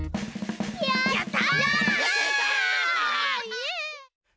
やった！